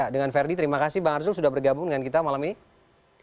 dengan verdi terima kasih bang arzul sudah bergabung dengan kita malam ini